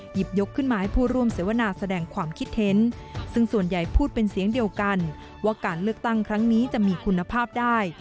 หยิบยกขึ้นมาให้ผู้ร่วมเสวนาแสดงความคิดเห็นซึ่งส่วนใหญ่พูดเป็นเสียงเดียวกันว่าการเลือกตั้งครั้งนี้จะมีคุณภาพได้